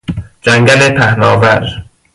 جنگل پهناور